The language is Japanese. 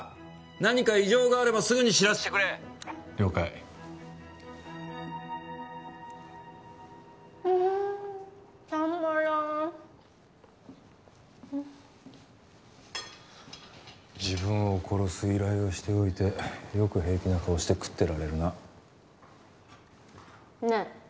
何か異常があればすぐに知らせてくれ了解うんたまらん自分を殺す依頼をしておいてよく平気な顔して食ってられるなねえ